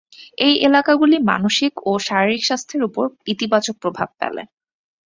এই এলাকাগুলি মানসিক ও শারীরিক স্বাস্থ্যের উপর ইতিবাচক প্রভাব ফেলে।